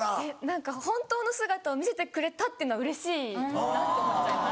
何か本当の姿を見せてくれたっていうのはうれしいなと思っちゃいます。